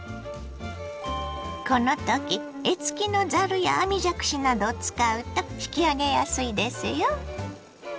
このとき柄付きのざるや網じゃくしなどを使うと引き上げやすいですよ。